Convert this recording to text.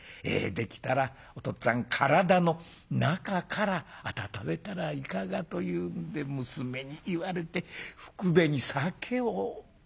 『できたらお父っつぁん体の中から温めたらいかが』というんで娘に言われてふくべに酒を持たしてもらいやして。